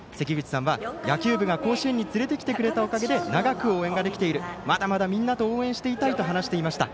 野球部が甲子園につれてきてくれて長く応援ができているまだまだみんなと応援していきたいと話していました。